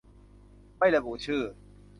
ไม่ระบุชื่อ